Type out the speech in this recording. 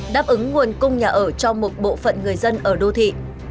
đáp ứng nguồn cung nhà ở cho một bộ phận người dân ở đô thị